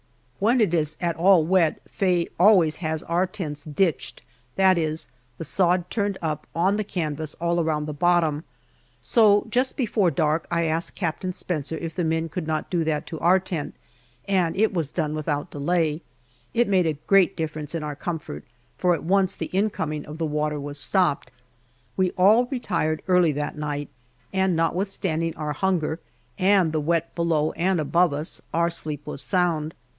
When it is at all wet Faye always has our tents "ditched," that is, the sod turned up on the canvas all around the bottom. So just before dark I asked Captain Spencer if the men could not do that to our tent, and it was done without delay. It made a great difference in our comfort, for at once the incoming of the water was stopped. We all retired early that night, and notwithstanding our hunger, and the wet below and above us, our sleep was sound.